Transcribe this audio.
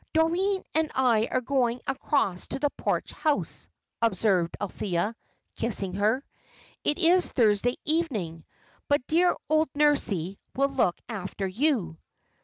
"Doreen and I are going across to the Porch House," observed Althea, kissing her. "It is Thursday evening. But dear old Nursie will look after you."